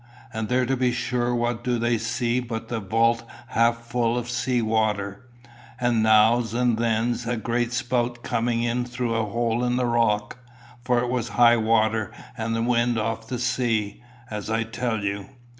And there to be sure what do they see but the wout half full of sea water, and nows and thens a great spout coming in through a hole in the rock; for it was high water and a wind off the sea, as I tell you.